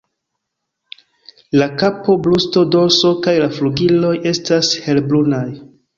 La kapo, brusto, dorso kaj la flugiloj estas helbrunaj.